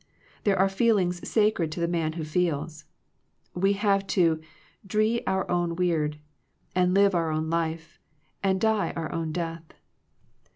There are feelings sacred to the man wno feels. We have to '* dree our own weird,'* and live our own life, and die our own death.